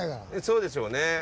そうでしょうね。